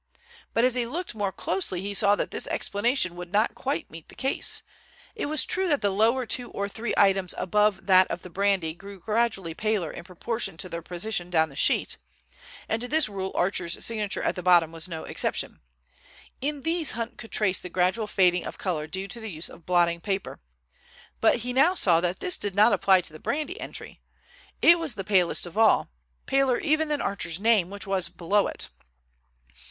But as he looked more closely he saw that this explanation would not quite meet the case. It was true that the lower two or three items above that of the brandy grew gradually paler in proportion to their position down the sheet, and to this rule Archer's signature at the bottom was no exception. In these Hunt could trace the gradual fading of color due to the use of blotting paper. But he now saw that this did not apply to the brandy entry. It was the palest of all—paler even than Archer's name, which was below it.